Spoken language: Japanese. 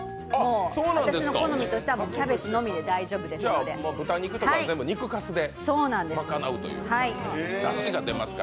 私の好みとしてはキャベツだけで大丈夫なので豚肉とかは全部肉かすで賄うという。